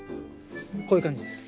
こういう感じです。